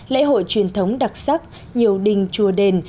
lễ hội truyền thống đặc sắc nhiều đình chùa đền